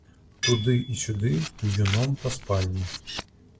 Туды і сюды ўюном па спальні.